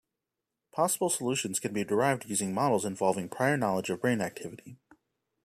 Possible solutions can be derived using models involving prior knowledge of brain activity.